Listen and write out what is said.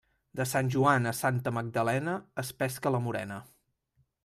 De Sant Joan a Santa Magdalena es pesca la morena.